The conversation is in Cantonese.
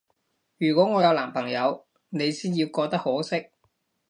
如果我有男朋友，你先要覺得可惜